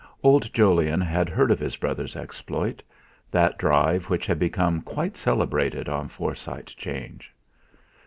Old Jolyon had heard of his brother's exploit that drive which had become quite celebrated on Forsyte 'Change.